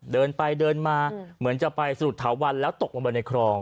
เดินไปเดินมาเหมือนจะไปสะดุดถาวันแล้วตกลงไปในคลอง